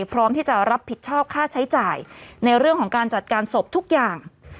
พร้อมที่จะรับผิดชอบค่าใช้จ่ายในเรื่องของการจัดการศพทุกอย่าง